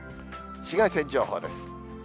紫外線情報です。